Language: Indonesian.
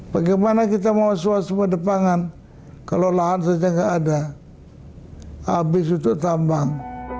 bagaimana kita mau suatu sumber depan kalau lahan saja tidak ada habis itu tambang